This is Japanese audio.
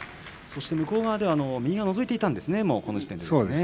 向こう側では右がのぞいていたんですね。